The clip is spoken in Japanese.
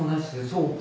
そうか。